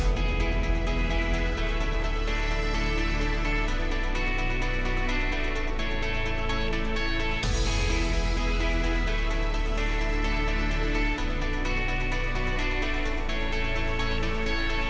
kerbau rawa pulang kekalang